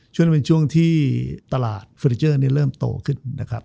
ช่วงนั้นเป็นช่วงที่ตลาดเฟอร์นิเจอร์เริ่มโตขึ้นนะครับ